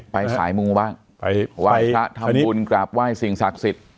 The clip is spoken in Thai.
ไปสายมูมบ้างไปว่ายศะทำบุญกราบว่ายสิ่งศักดิ์สิทธิ์